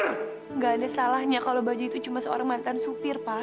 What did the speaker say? tidak ada salahnya kalau baju itu cuma seorang mantan supir pak